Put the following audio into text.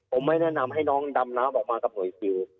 ผมไม่แนะนำให้น้องดำน้ำออกมากับหน่วยซิล